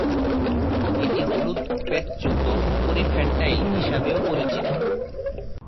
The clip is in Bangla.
এটি হলুদ-পেটযুক্ত পরী-ফ্যান্টাইল হিসাবেও পরিচিত।